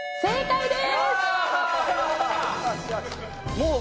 正解です！